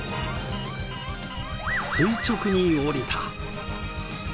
垂直に下りた！